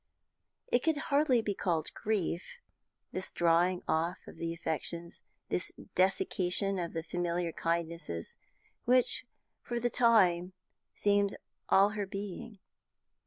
It could hardly be called grief, this drawing off of the affections, this desiccation of the familiar kindnesses which for the time seemed all her being.